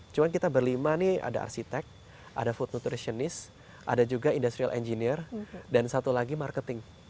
cuma kita berlima nih ada arsitek ada food nutritionist ada juga industrial engineer dan satu lagi marketing